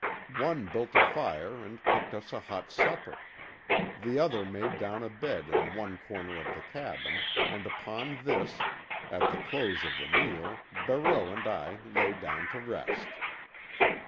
One built a fire and cooked us a hot supper. The other made down a bed in one corner of the cabin, and upon this, at the close of the meal Barreau and I lay down to rest.